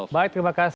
baik terima kasih